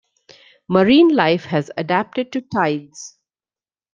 Marine life has adapted to tides.